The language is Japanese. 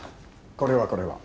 これはこれは。